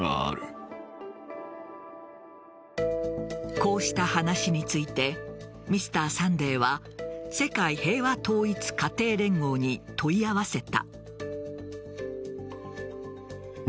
こうした話について「Ｍｒ．サンデー」は世界平和統一家庭連合に問い合わせた。